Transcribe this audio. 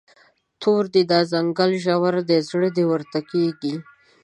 تور دی، دا ځنګل ژور دی، زړه دې ورته کیږي